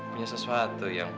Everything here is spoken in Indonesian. punya sesuatu yang putus